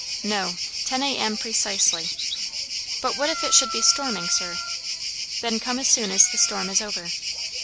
"No, ten A.M., precisely." "But what if it should be storming, sir?" "Then come as soon as the storm is over."